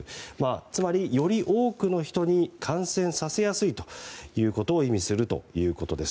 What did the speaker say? つまり、より多くの人を感染させやすいということを意味するということです。